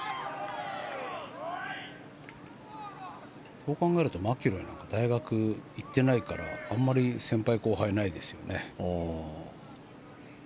そう考えるとマキロイなんか大学、行ってないからあまり先輩、後輩ないですよね。